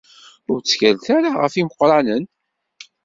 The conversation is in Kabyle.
Ur ttkalet ara ɣef yimeqqranen.